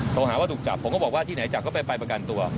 โทรหาว่าถูกจับผมก็บอกว่าที่ไหนจับก็ไปประกันตัว